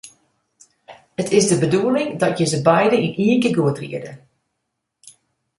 It is de bedoeling dat je se beide yn ien kear goed riede.